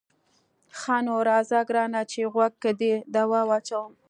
ښه نو راځه ګرانه چې غوږو کې دې دوا واچوم.